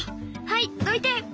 はいどいて。